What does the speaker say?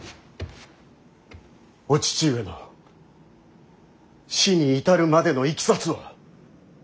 お父上の死に至るまでのいきさつを。